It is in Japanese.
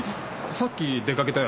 さっき出かけたよ。